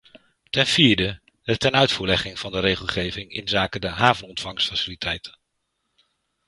Ten vierde de tenuitvoerlegging van de regelgeving inzake de havenontvangstfaciliteiten.